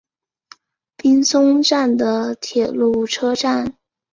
滨松站的铁路车站。